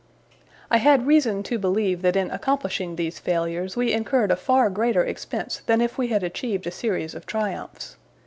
I had reason to believe that in accomplishing these failures we incurred a far greater expense than if we had achieved a series of triumphs.